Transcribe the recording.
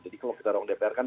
jadi kalau kita ruang dpr kan